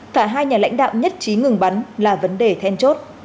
cả hai nhà lãnh đạo nhất trí ngừng bắn là vấn đề then chốt